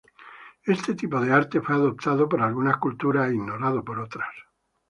Este tipo de arte fue adoptado por algunas culturas e ignorado por otras.